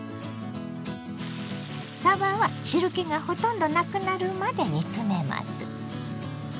さばは汁けがほとんどなくなるまで煮詰めます。